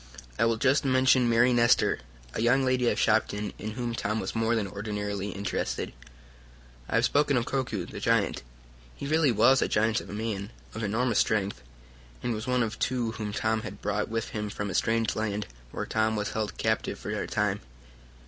I will just mention Mary Nestor, a young lady of Shopton, in whom Tom was more than ordinarily interested. I have spoken of Koku, the giant. He really was a giant of a man, of enormous strength, and was one of two whom Tom had brought with him from a strange land where Tom was held captive for a time.